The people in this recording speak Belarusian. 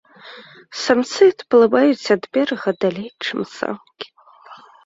Самцы адплываюць ад берага далей, чым самкі.